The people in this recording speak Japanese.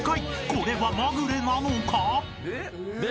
［これはまぐれなのか？］